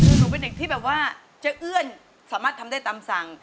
คือหนูเป็นเด็กที่แบบว่าจะเอื้อนสามารถทำได้ตามสั่ง